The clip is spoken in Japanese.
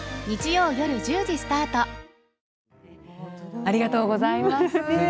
ありがとうございます。